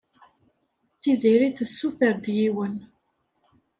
Tiziri tessuter-d yiwen.